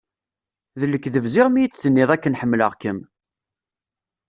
D lekdeb ziɣ mi yi-d-tenniḍ akken ḥemmleɣ-kem?